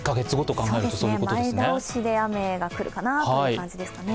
前倒しで雨が来るかなという感じですかね。